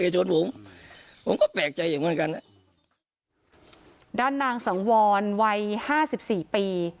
ชนผมผมก็แปลกใจอย่างเหมือนกันอ่ะด้านนางสังวรวัยห้าสิบสี่ปี